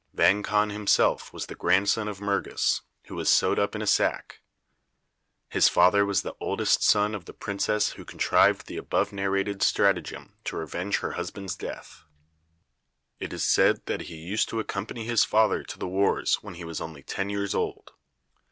Vang Khan himself was the grandson of Mergus, who was sewed up in the sack. His father was the oldest son of the princess who contrived the above narrated stratagem to revenge her husband's death. It is said that he used to accompany his father to the wars when he was only ten years old.